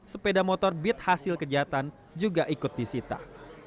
sepeda motor bit hasil kejahatan juga ikut disita